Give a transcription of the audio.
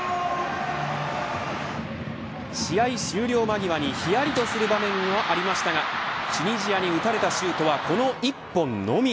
試合終了間際にひやりとする場面もありましたがチュニジアに打たれたシュートはこの１本のみ。